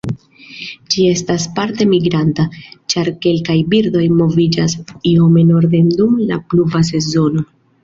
Ĝi estas parte migranta, ĉar kelkaj birdoj moviĝas iome norden dum la pluva sezono.